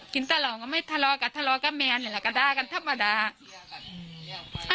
กินตะเลาไม่ทะเลากันทะเลากับแม่นี่แหละกระดาษกันธรรมดา